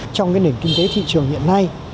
trong cái nền kinh tế thị trường hiện nay